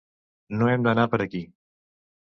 No hem d'anar per aquí!